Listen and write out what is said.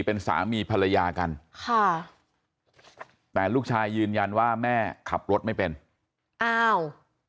เป็นสามีภรรยากันค่ะแต่ลูกชายยืนยันว่าแม่ขับรถไม่เป็นอ้าว